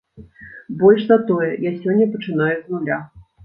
Больш за тое, я сёння пачынаю з нуля.